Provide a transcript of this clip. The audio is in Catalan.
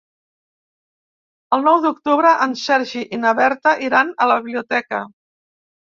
El nou d'octubre en Sergi i na Berta iran a la biblioteca.